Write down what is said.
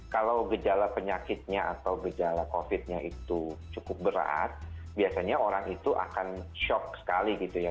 kalau gejala penyakitnya atau gejala covid nya itu cukup berat biasanya orang itu akan shock sekali gitu ya